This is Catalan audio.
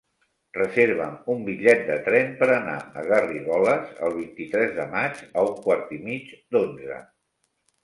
Reserva'm un bitllet de tren per anar a Garrigoles el vint-i-tres de maig a un quart i mig d'onze.